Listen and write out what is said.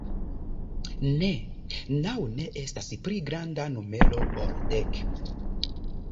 Ne, naŭ ne estas pli granda numero ol dek.